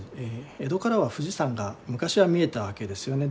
江戸からは富士山が昔は見えたわけですよね。